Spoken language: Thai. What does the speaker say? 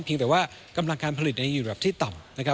เพียงแต่ว่ากำลังการผลิตยังอยู่แบบที่ต่ำ